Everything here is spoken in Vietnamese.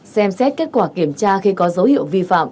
xem xét kết quả kiểm tra khi có dấu hiệu vi phạm